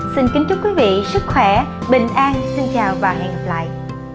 xin kính chúc quý vị sức khỏe bình an xin chào và hẹn gặp lại